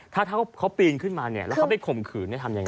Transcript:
ถ้าเขาปีนขึ้นมาเนี่ยแล้วเขาไปข่มขืนทำยังไง